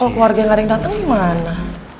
kalo keluarga yang ngga ada yang dateng gimana